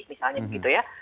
misalnya begitu ya